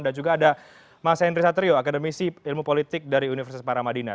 dan juga ada mas henry saterio akademisi ilmu politik dari universitas parah madinah